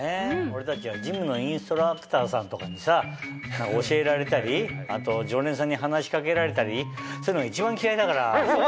俺たちはジムのインストラクターさんとかにさ教えられたりあと常連さんに話し掛けられたりそういうのが一番嫌いだから。